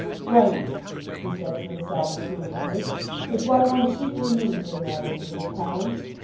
"Brain," he said to himself approvingly, "is what one chiefly needs in matters of this kind.